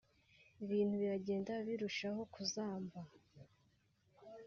Ibintu biragenda birushaho kuzamba